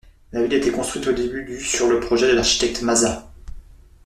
La villa a été construite au début du sur le projet de l'architecte Mazza.